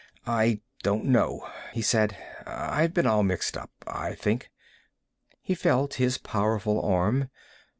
"I don't know," he said. "I've been all mixed up, I think." He felt his powerful arm.